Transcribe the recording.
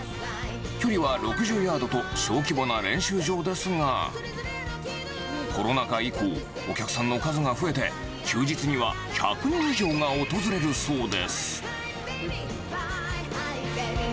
距離は６０ヤードと、小規模な練習場ですが、コロナ禍以降、お客さんの数が増えて、休日には１００人以上が訪れるそうです。